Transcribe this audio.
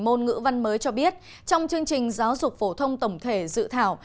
môn ngữ văn mới cho biết trong chương trình giáo dục phổ thông tổng thể dự thảo